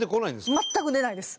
全く出ないです。